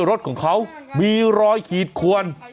รถของเขามีรอยขีดขวน